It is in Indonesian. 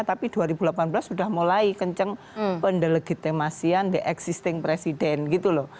tapi dua ribu delapan belas sudah mulai kenceng pendelegitimasian the existing presiden gitu loh